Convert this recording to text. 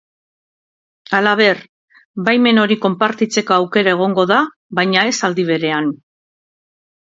Halaber, baimen hori konpartitzeko aukera egongo da, baina ez aldi berean.